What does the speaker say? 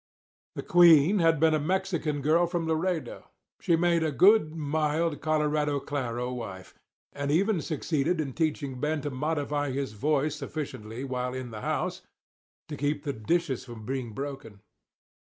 The queen had been a Mexican girl from Laredo. She made a good, mild, Colorado claro wife, and even succeeded in teaching Ben to modify his voice sufficiently while in the house to keep the dishes from being broken.